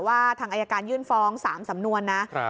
ว่าทางอายการยื่นฟ้อง๓สำนวนนะ